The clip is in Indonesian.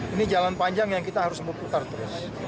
ini jalan panjang yang kita harus berputar terus